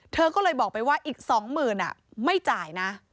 เธอก็เลยบอกไปว่าอีก๒๐๐๐ไม่จ่ายนะ